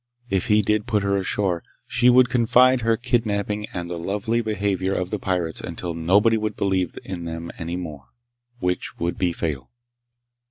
If he did put her ashore, she would confide her kidnaping and the lovely behavior of the pirates until nobody would believe in them any more—which would be fatal.